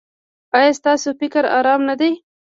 ایا ستاسو فکر ارام نه دی؟